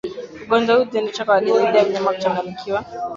Ugonjwa huu hujidhihirisha kwa dalili ya mnyama kuchanganyikiwa